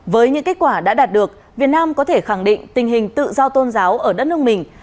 với những kết quả đã đạt được việt nam có thể khẳng định tình hình tự do tôn giáo ở đất nước mình